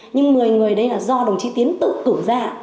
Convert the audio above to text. nhưng một mươi người đây là do đồng chí tiến tự cử ra